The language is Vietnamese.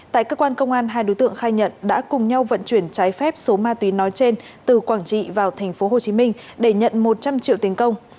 tại cơ quan công an hai đối tượng khai nhận đã cùng nhau vận chuyển trái phép số ma túy nói trên từ quảng trị vào tp hcm để nhận một trăm linh triệu tiền công